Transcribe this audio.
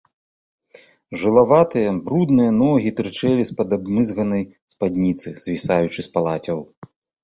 Жылаватыя, брудныя ногі тырчэлі з-пад абмызганай спадніцы, звісаючы з палацяў.